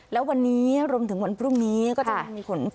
แล้ววันนี้รวมถึงวันพรุ่งนี้ก็จะมีฝน